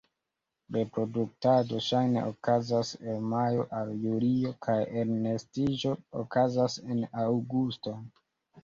Reproduktado ŝajne okazas el majo al julio, kaj elnestiĝo okazas en aŭgusto.